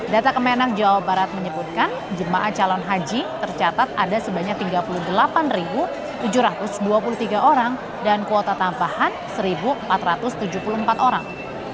data kemenang jawa barat menyebutkan jemaah calon haji tercatat ada sebanyak tiga puluh delapan tujuh ratus dua puluh tiga orang dan kuota tambahan satu empat ratus tujuh puluh empat orang